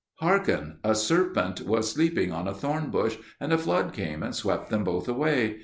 "Hearken: a serpent was sleeping on a thorn bush, and a flood came and swept them both away.